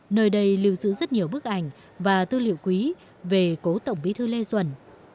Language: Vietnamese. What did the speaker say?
nơi đây lưu giữ rất nhiều bức ảnh và tư liệu quý về cố tổng bí thư lê duẩn